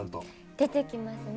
出てきますね。